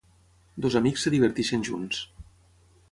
Dos amics es diverteixen junts.